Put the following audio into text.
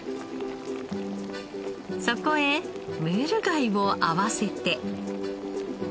そこへムール貝を合わせて。